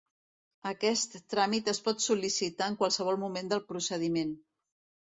Aquest tràmit es pot sol·licitar en qualsevol moment del procediment.